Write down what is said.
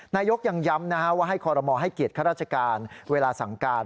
นายกยังย้ำว่าให้คอรมอลให้เกียรติข้าราชการเวลาสั่งการ